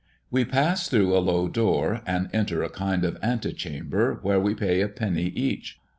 We pass through a low door, and enter a kind of ante chamber, where we pay a penny each.